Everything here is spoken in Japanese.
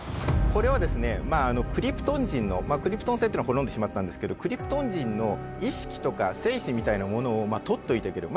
これはですねクリプトン人のまあクリプトン星というのは滅んでしまったんですけどクリプトン人の意識とか精神みたいなものを取っておいておける。